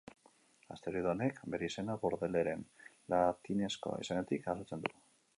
Asteroide honek, bere izena, Bordeleren latinezko izenetik jasotzen du.